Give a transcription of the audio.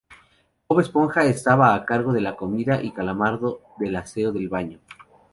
Bob Esponja estaba a cargo de la comida y Calamardo del aseo del baño.